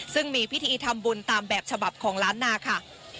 ซึ่งมีพิธีทำบุญตามแบบฉบับของล้านนาค่ะ